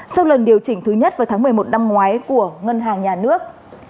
sau lần điều chỉnh thứ nhất vào tháng một mươi một năm ngoái của ngân hàng nhà nước